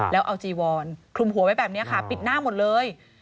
แล้วเอาจีวอนคลุมหัวไว้แบบนี้ค่ะปิดหน้าหมดเลย